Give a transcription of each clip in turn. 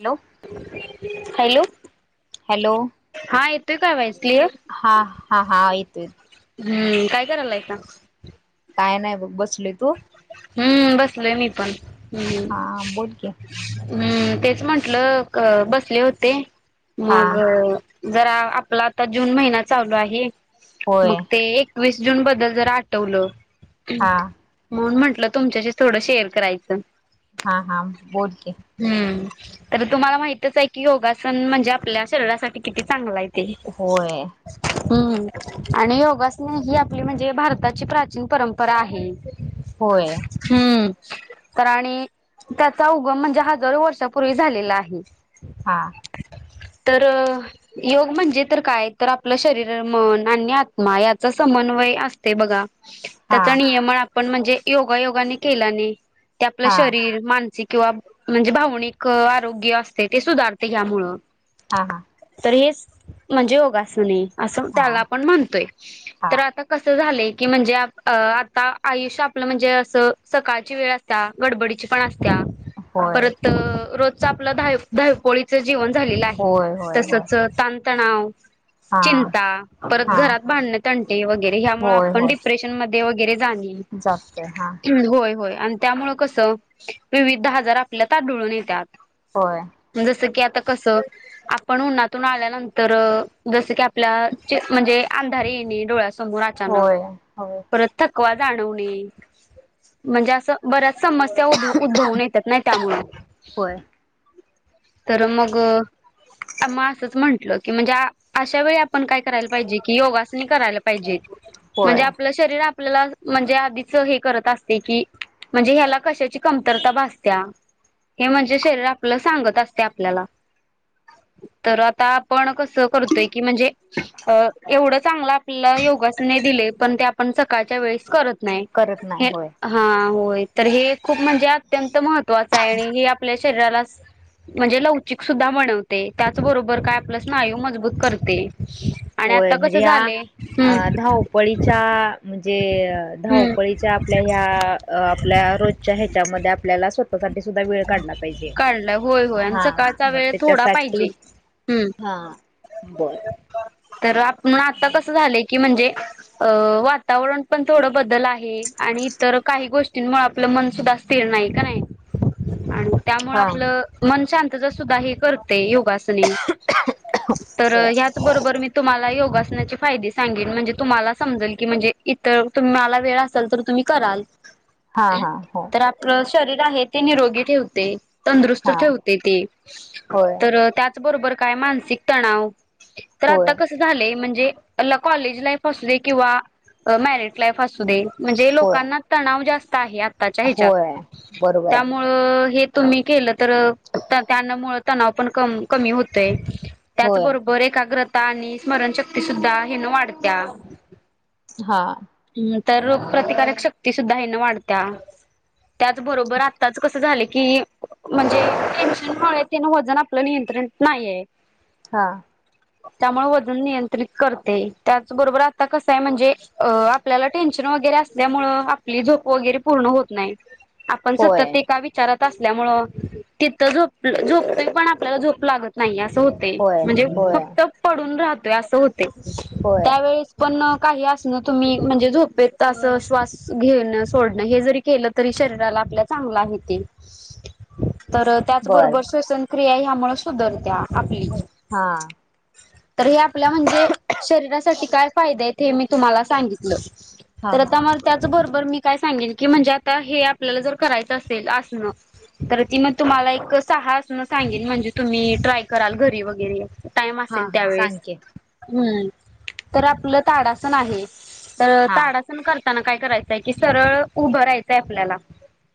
Hello [inaudible] hello hello हा येतोय का वाईज हा हा हा येतो येतोय हम्म काय करायलाय आता काय नाय बघ बसलोय तू हम्म बसले मी पण हा बोल की हम् तेच म्हंटलं बसले होते हा मग जरा आपला आता जून महिना चालू आहे होय मग ते एकवीस बद्दल जर आठवल हा म्हणून म्ह तुमच्याशी थोडं शेअर करायचं हा हा बोल की तर तुम्हाला माहितच आहे की योगासन म्हणजे आपल्या शरीरासाठी किती चांगलं आहे होय [inaudible] हम्म आणि योगासने ही आपली म्हणजे भारताची प्राचीन परंपरा आहे होय हम्म. तर आणि त्याचा उगम म्हणजे हजारो वर्षापूर्वी झालेला आहे. हां. तर अ योग म्हणजे तर काय तर आपलं शरीर मन आणि आत्मा याचा समन्वय काई असतय बघा. हा त्याच नियमन आपण म्हणजे योगायोगा केला नाही ते आपलं हा शरीर मा किंवा म्हणजे भावनिक अ आरोग्य असते ते सुधारते ह्यांमुळ. हां हां. रेस म्हणजे योगासने आहे असं हा त्याला पण म्हणतोय हा तर आता कसं झालंय की म्हणजे आ आता आयुष्य आपलं म्हणजे असं सकाळची वेळ असता गडबडीची पण असं त्या होय परत अ रोज च आपल धाय धापांडी पडी जेवन झालेलं आहे होय होय होय तसंच ताणतणाव हा चिंता परत हा घरात भांडणे तंटे वगैरे ह त. ह्यामुळे आपण डिप्रेशनमध्ये हे वगैरे जाणवील. जातय हां. आणि त्यामुळं कसं विविध हाजार आपल्यात आडुळून येतात. होय जसं की आता कसं आपण उन्हातून आल्यानंतर अ जस की आपल्या च म्हंजे अंधारी येणे डोळ्यास मोर अचानक होय होय परत थकवा जाणवने म्हंजे असं बऱ्या समस्या उद उद्भवून येतात नाई त्यामुळं. होय तर मग अ मग असंच म्हंटलं की म्हणजे आ अशा वेळी आपण काय करायला पाहिजे? कि योगासनी करायला पाहिजे. म्हणजे होय आपलं शरीर आपल्याला म्हणजे आधीच हे करतं असते की म्हंजे ह्याला कशाची कमतरता भासत्या हे म्हणजे शरीर आपलं सांगत आसतय आपल्याला. तर आता आपण कसं करतोय की, म्हणजे अ एवढं चांगलं आपला योगासने दिले पण त्या आपण सकाळच्या वेळेस करत नाही, करत नाही होय हां होय तर हे खूप म्हणजे अत्यंत महत्त्वाचं आहे आणि हे आपल्या शरीराला म्हणजे लवचिक सुद्धा बनवते त्याच बरोबर काय आपलं स्नायू मजबूत करते. आणि होय आता म्हणजे कसं ह्या झालंय अ हम्म धावपळीच्या म्हंजे हम्म धावपळीच्या आपल्या ह्या अ आपल्या रोजच्या ह्याच्यामध्ये आपल्याला स्वतः सुद्धा वेळ काढला पाहिजे, काढलाय होय होय आणि हा हा सकाळचा मगं वेळ थोडा त्याच्यासाठी पाहिजे. हम्म हां बर. तर आप आता कसं झालंय की की म्हणजे वातावरण पण थोडं बदल आहे आणि इतर काही गोष्टींमुळे आपलं मन सुद्धा स्थिर नाही का नाहीं. आन त्यामुळे हा आपलं मन शांतता सुद्धा हे करत ते योगासने तर होय ह्याच बरोबर मी तुम्हाला योगास सनाचे फायदे सांगेल म्हणजे तुम्हांला समजेल की, म्हणजे इतर तुम्हाला वेळ असाल तर तुम्ही कराल. हां हां हो. तर आपलं शरीर आहे ते निरोगी ठेवते, तंदुरूस्त हा ठेवते, ते होय तर अ त्यात बरोबर काय मानसिक तणाव तर, होय आत्ता कसं झालेय म्हण जे ल कॉलेज लाईफ असू दे किंवा अ मॅरिड लाईफ असू दे म्हणजे होय लोकांना तणाव जास्त आहे आ होय बरोबरय. अ हे तुम्ही केलं तर, त्या ताना मुळ तणाव पण कम कमी होतोय. त्याच होय बरोबर एकाग्रता आणि स्मरणशक्ती सुद्धा हे न वाढत्या हां. तर रोग प्रतिकारक शक्ती सुद्धा ह्यान वाढत्या, त्याच बरोबर आत्ताच कसं झालंय कि म्हणजे टेन्शन मुळे किन वजन आपलं नियंत्रणात नाहीये. हा. त्यामुळे वजन नियंत्रित करते. त्याचबरोबर आता कसं आहे म्हणजे अ.. आपल्याला टेन्शन वगैरे असल्यामुळे आपली झोप वगैरे पूर्ण होत नाही. आपण सतत होय ते एका विचारात, असल्यामुळं तिथं झोप झोपतोय पण आपल्याला झोप लागत नाहीये असं. होते होय म्हणजे होय फक्त पडून राहतोय. अस होतंय होय त्यावेळस पण, काही असलं तुम्ही, म्हणजे झोपेत अस श्वास घेण सोडण. हे जरी केलं तरी शरीराला आपल्या चांगलं आहे ते. तर बर त्याचबरोबर श्वसन क्रिया ह्यामुळे सुधरत्या. आपली हा. तर हे आपल्या म्हणजे शरीरासाठी काय फायदे आहेत हे मी तुम्हाला सांगितलं. हा तर हा आता मला त्याच बरोबर मी काय सांगेन की, म्हणजे आता हे आपल्याला जर करायचं असेल आसण, तर ती मग तुम्हाला एक सहा आसन सांगेल म्हणजे तुम्ही ट्राय कराल घरी वगैरे. टाइम हा असेल, हा त्यावेळेस सांग की, हम्म तर आपलं ताडासन आहे, तर हा ताडासन कर ताना काय करायचंय की, सरळ उभं रायच आपल्याला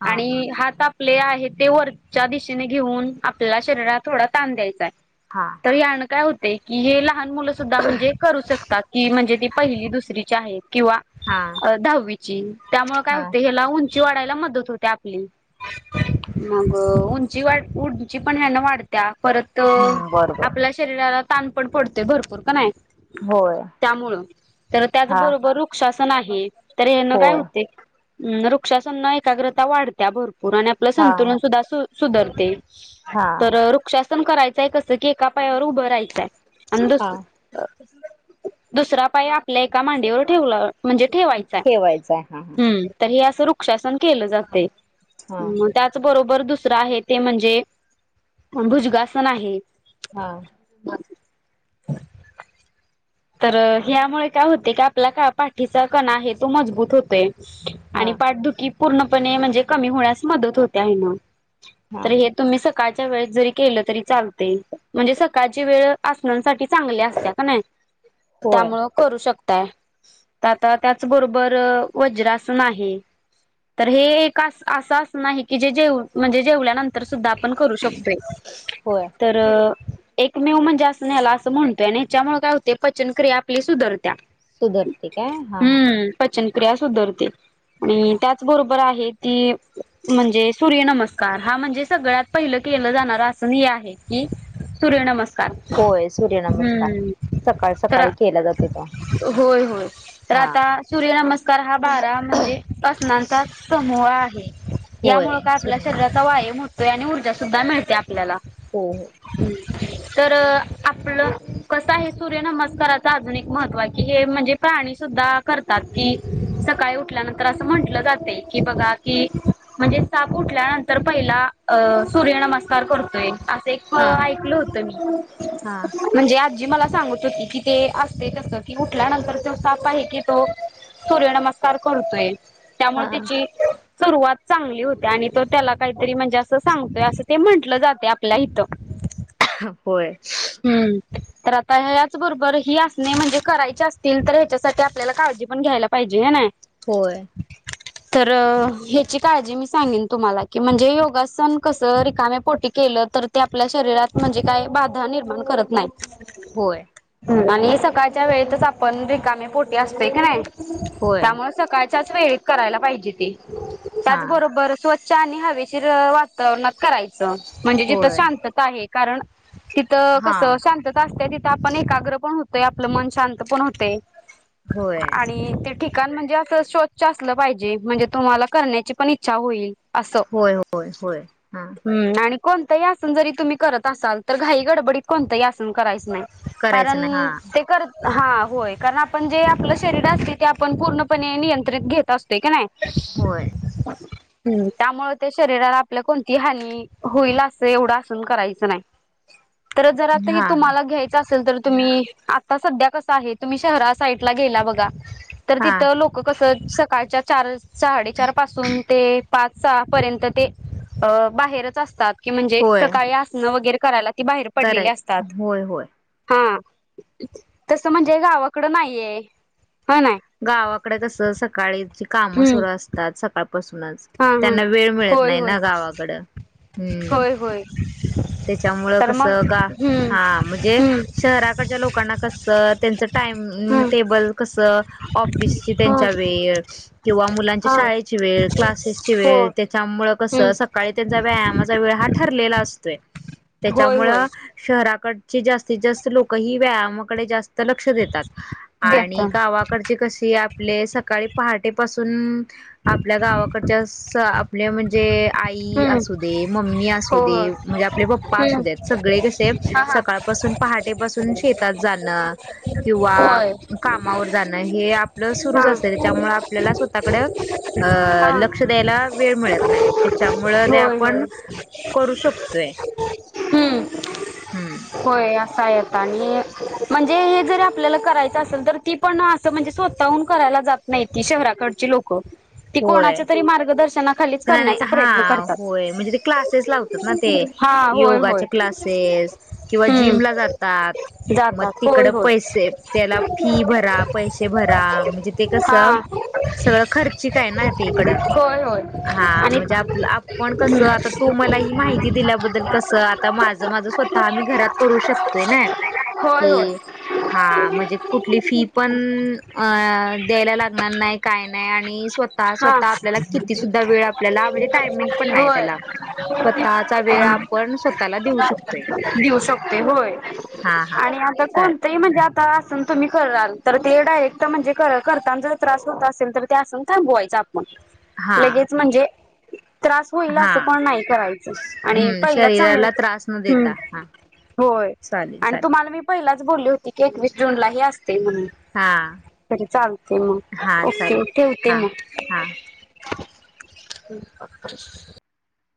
हा आणि हात आपण- आपले आहे ते वरच्या दिशेने घेऊन. आपल्याला शरीरात थोडा ताण द्यायचाय, हा तर यान काय होतेय की हेला लहान मुलं सुद्धा म्हणजे करू शकतात की म्हणजे ती पहिली दुसरीची आहेत. किंवा हा दहावी ची त्यामुळे काय हा होते हे ला उंची, उंची वाढायला मदत होत्या आपली. मग उंच- उंची वाढ उंची पण ह्याने वाढत्या, परत हम्म बरोबर आपल्या शरीराला, तान पण पडतय भरपूर कणे होय त्यामुळं तर त्याच हा बरोबर वृक्षांसन, वृक्षासन आहे. तर याने काय होय होतय वृक्षसन ने एकाग्रता वाढते भरपूर. पुन्हा आणि आपलं हा संतुलन सुद्धा सुधरते. हा तर वृक्षासन करायचं कसं की एका पायावर उभं राहायचंय आणि हा दुसरा दुसरा पाय आपल्या एका मांडीवर ठेवला, म्हणजे ठेवायचाय ठेवायचं आहे हम, तर हे असं वृक्षासन केलं जातंय. हा हा त्याचबरोबर दुसरं आहे ते म्हणजे भुजंगासन आहे. हा.... [inaudible] तर ह्यामुळे काय होते. का आपल्या पाठीचा कणा आहे तो मजबूत होतोय. हा आणि पाठदुखी पूर्णपणे म्हणजे कमी होण्यास मदत होते आहे ना, हा तर हे तुम्ही सक सकाळच्या वेळेस जरी केलं तरी चालते. म्हणजे सकाळची वेळ आसना साठी चांगली असत्या कणी, होय त्यामुळ करू शकतो. आता त्याचबरोबर वज्रासन आहे. तर हे एक असं अस की जे, जे म्हणजे जेवल्यानंतर सुद्धा आप पण करू शकतोय. होय तर, एकमेव म्हणजे अस न्याला असं म्हणतोय आणि याच्यामुळे काय होते पचनक्रिया आपली सुधरते. त्या. सुधरते काय हा हा हम्म पचण क्रिया सुधरते आणि हा त्याचबरोबर आहे ती, म्हणजे सूर्य नमस्कार हा म्हणजे सगळ्यात पहिलं केलं जाणारं अस आहे की, सूर्यणम होय. सूर्यनमस्कार सकाळी तर सकाळी केला जातो तो, होय होय, तर हा आता सूर्य नमस्कार हा बारा म्हणजे असणांचा मुळ आहे. होय यामुळे काय आपल्या सूर्य शरीराचा वायम होतोय आणि ऊर्जा सुद्धा मिळते आपल्याला. हो हो. तर आपलं कसं आहे सूर्य-नमस्का कराच आजुन एक महत्त्व आहे, की हे म्हणजे प्राणी सुद्धा करतात. की सकाळी उल्यानंतर अस म्हंटलं जात की बघा की, म्हणजे साप उठल्यानंतर पहिला सूर्य नमस्कार करतोय. एक हा ऐकलं होत मी, हा म्हणजे आजी मला सांगत होती कि ते असते तस की उठल्यानंतर त्यो साप आहे की तो, सूर्यनमस्कार करतोय. त्यामुळे हा त्याची सुरुवात चांगली होते. आणि तो त्याला काहीतरी म्हणजे, असं सांगतोय असं ते म्हंटलं जाते आपल्या इथ. होय. हम्म तर आता ह्याचबरोबर ही असणे म्हणजे, करायची असतील तर, ह्याच्यासाठी आपल्याला काय ळजी पण घ्यायला पाहिजे ह न्हाय. [unintelligible] होय. तर ह्याची काळजी मी सांगेन तुम्हाला की, म्हणजे योगासन कस रिकाम्या पोटी के ल तर ते आपल्या शरीरात म्हणजे, काय बाधा निर्माण करत न्हाय. होय. आणि सकाळच्या वेळेतच आपण रिकामे पोटे असते. की नाय, होय त्यामुळे सकाळ च्याच वेळी करायला पाहिजे ते, हा त्याचबरोबर स्व स्वच्छ आणि हवेशीर वातावरणात करायचं, म्हणजे जिथं होय शांतता आहे. कारण तिथं हा कसं, शांतता असते तिथं आपण एकाग्र पण होतोय आपलं मन शांत पण होतय. होय आणि ते ठीक ठिकाण म्हणजे असं स्वच्छ असलं पाहिजे. म्हणजे तुम्हाला करण्याची पण इच्छा होईल. असं होय होय होय हा हम्म आणि, कोणतंही आसन जरी तुम्ही करत असाल, तर घाई गडबडीत कोणतंही आसन करायच नाही. कारण करायचं नाही हा ते कर हा होय कारण आपण जे आपलं शरीर असते, ते आपण पूर्णपणे नियंत्रित घेत असतो की नाय. होय. हम्म त्यामुळे ते शरीराला आपल्या कोणती हानी होईल असं एवढं आसन करायचं नाय. तर जर आता हा हा तुम्हाला घ्यायचं असेल तर तुम्ही आता सध्या कसं आहे, तुम्ही शहरा साईडला गेला बघा तर हा तिथं लोक कसं सकाळच्या चार साडेचार पासून ते पाच, सहा, पर्यंत ते अ बाहेरच असतात. कि म्हणजे होय सकाळी असणं वगैरे करायला त बाहेर पडलेली कराय असतात. होय होय हा तसं म्हणजे गावाकडं नाहीये. हा नाही गावाकडे तस सकाळीची कामं हम्म सुरू असतात. सका ळपासूनच हा हा त्यांना वेळ मिळत होय नाही होय ना गावाकड. होय होय. त्याच्यामुळ तर मग कसं, गा हम्म हा म्हणजे हम्म शहराकडच्या लोकांना कसं त्यांच टाइम हम्म टेबल कस ऑफिसची हा त्यांच्या वेळ किंवा मुलांच्या हा शाळेची वेळ, क्लासेसची हो वेळ त्याच्यामु कसं हम्म सकाळी त्यांचा व्यायाम व्यायामाचा वेळ हा ठरला असतोय, होय त्याच्यामुळे होय शहराकडे जास्तीत जास्त लोक ही व्यायामाकडे जास्त लक्ष देतात देत आणि गावा हे आपले सकाळी पहाटेपासून आपल्या गावाकडच्या आपले म्हणजे. आई हम्म असू दे, मम्मी हो असू हो दे, म्हणजे आपले पप्पा हम्म असू दे, सगळे कसे हा हा सकाळपासून पहाटेपासून शेतात जाणार किंवा होय कामावर जाण. हे आपलं सुरू हा असतं. त्यामुळे आपल्याला स्वतःकडे हा लक्ष द्यायला वेळ मिळत नाही, त्याच्यामुळे होय आपण होय करू शकतोय. हम्म, हम्म होय या काय आता आणि म्हणजे हे ज आपल्याला करायचं असेल तर, ती पण अस म्हणजे स्वतःहून कराय जात नाही ती शहराकडची लोकं, ती होय कोणाच्यातरी मार्गदर्शनाखालीच नाही करण्याचा प्रयत्न हा करतात होय ती क्लासेस लावताना ते हा होय होय योगाचे क्लासेस किंवा जिम. हम्म जिमला जातात मग जातात तिकड होय होय पैसे त्याला फी भरा पैसे भरा म्हणजे ते हा कसं सगळं खर्चिकना ते इकड होय होय हा आणि म्हणजे आपलं आपण कसं आता तू मला ही माहिती दिल्याबद्दल कसं आता माझं माझं स्वतः आम्ही घरात करू शको [unintelligible] शकतोय ना होय की होय. हा म्हणजे कुठली फी पण अ द्यायला लागणार नाही काय नाही आणि स्वतः हा स्वतः आपल्याला किती सुद्धा वेळ आपल्याला म्हणजे टायमिंग पण नाही होय त्याला स्वतःचा वेळ आपण स्वतःला देऊ शकतोय. देऊ शकते होय हा हा आणि आता चालेल कोणतंही म्हणजे तासन तुम्ही कराल तर ते येडा एकटा म्हणजे कर करताना जर त्रास होत असेल तर ते असन थांबवायचं हा लगेच म्हणजे त्रास होईल हा असं पण नाही करायचं आणि हम्म पहिलं चांगलं शरीराला त्रास न ह् देता हा [unintelligible] होय चालेल आणि चालेल तुम्हाला मी पहिलाच बोलली होती की एक वीस जूनलाही अस हा जर चालते मग हा ओके चालेल ठेवते हा मग. हा ह